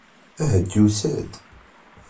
Ahat yusa-d.